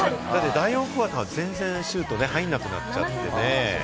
第４クオーターは全然シュートは入らなくなっちゃってね。